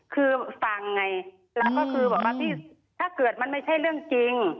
คือฟังไงแล้วก็คือบอกว่าพี่ถ้าเกิดมันไม่ใช่เรื่องจริง